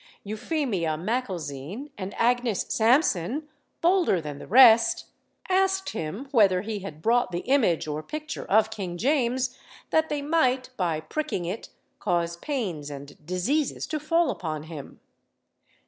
Euphemia Macalzean and Agnes Sampson, bolder than the rest, asked him whether he had brought the image or picture of King James, that they might, by pricking it, cause pains and diseases to fall upon him.